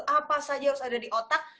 apa saja harus ada di otak